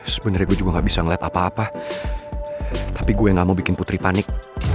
sebenarnya juga nggak bisa ngelihat apa apa tapi gue nggak mau bikin putri panik